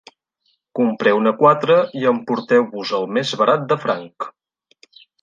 Compreu-ne quatre i emporteu-vos el més barat de franc.